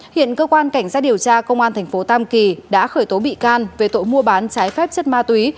hiện cơ quan cảnh sát điều tra công an thành phố tam kỳ đã khởi tố bị can về tội mua bán trái phép chất ma túy